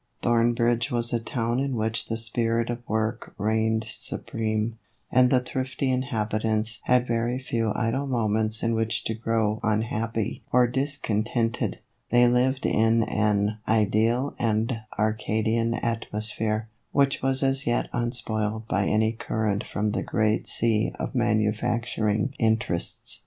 Thornbridge was a town in which the spirit of work reigned supreme, and the thrifty inhabitants had very few idle moments in which to grow un happy or discontented ; they lived in an ideal and Arcadian atmosphere, which was as yet unspoiled by any current from the great sea of manufacturing interests.